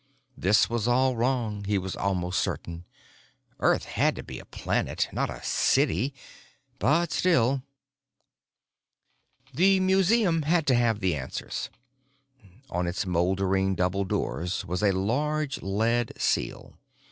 This was all wrong, he was almost certain; Earth had to be a planet, not a city. But still.... The museum had to have the answers. On its moldering double doors was a large lead seal.